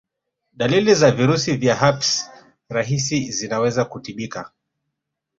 Dalili za virusi vya herpes rahisi zinaweza kutibika